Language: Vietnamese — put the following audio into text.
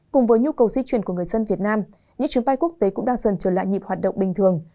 cùng với nhu cầu di chuyển của người dân việt nam những chuyến bay quốc tế cũng đang dần trở lại nhịp hoạt động bình thường